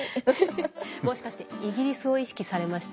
もしかしてイギリスを意識されました？